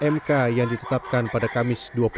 mk yang ditetapkan pada kamis